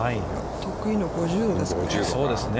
得意の５０度ですかね。